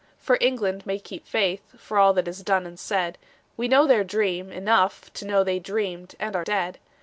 For England may keep faith For all that is done and said. We know their dream; enough To know they dreamed and are dead.